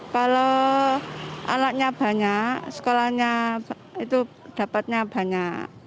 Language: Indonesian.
kalau anaknya banyak sekolahnya itu dapatnya banyak